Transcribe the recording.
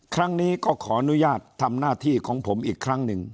ครั้งนี้ก็ขออนุญาตทำหน้าที่ของผมอีกครั้งหนึ่ง